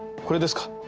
これですか？